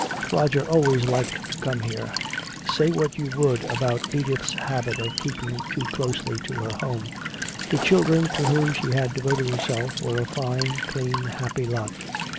Roger always liked to come here. Say what you would about Edith's habit of keeping too closely to her home, the children to whom she had devoted herself were a fine, clean, happy lot.